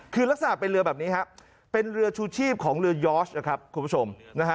คือลักษณะเป็นเรือแบบนี้ครับเป็นเรือชูชีพของเรือยอร์ชนะครับคุณผู้ชมนะฮะ